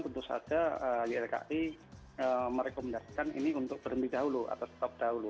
tentu saja ylki merekomendasikan ini untuk berhenti dahulu atau stop dahulu